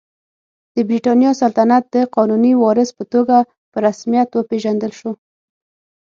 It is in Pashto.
د برېټانیا سلطنت د قانوني وارث په توګه په رسمیت وپېژندل شو.